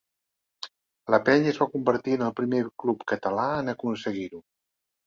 La Penya es va convertir en el primer club català en aconseguir-ho.